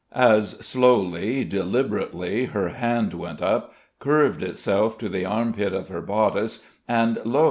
As slowly, deliberately, her hand went up, curved itself to the armpit of her bodice; and lo!